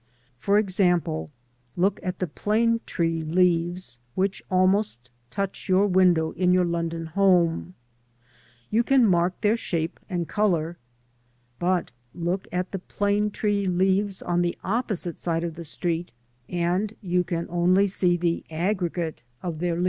For example, look at the plane tree leaves which almost touch your window in your London home; you can mark their shape and colour ; but look at the plane tree leaves on the opposite side of the street and you can only see the aggregate of their 56 LANDSCAPE PAINTING IN OIL COLOUR.